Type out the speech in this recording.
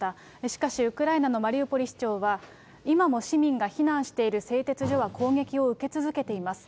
しかし、ウクライナのマリウポリ市長は、今も市民が避難している製鉄所は攻撃を受け続けています。